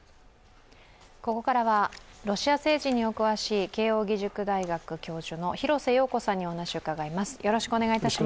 ここからはロシア政治にお詳しい慶応義塾大学教授の廣瀬陽子さんにお話を伺います。